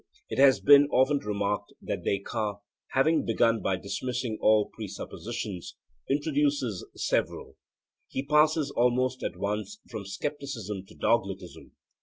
It has been often remarked that Descartes, having begun by dismissing all presuppositions, introduces several: he passes almost at once from scepticism to dogmatism.